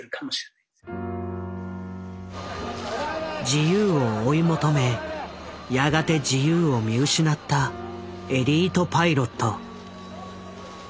自由を追い求めやがて自由を見失ったエリートパイロット。